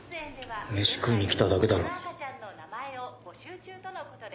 飯食いに来ただけだろ。